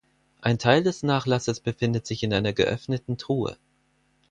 Ein Teil des Nachlasses befindet sich in einer geöffneten Truhe.